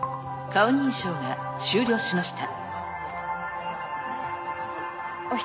顔認証が終了しました。